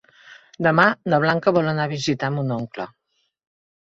Demà na Blanca vol anar a visitar mon oncle.